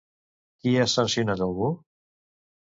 Qui ha sancionat a algú?